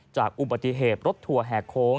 จากอุบัติเหตุรถทัวร์แห่โค้ง